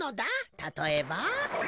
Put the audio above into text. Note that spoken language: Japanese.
たとえば。